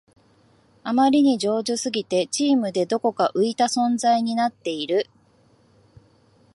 あまりに上手すぎてチームでどこか浮いた存在になっている